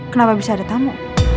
kenapa bisa ada tamu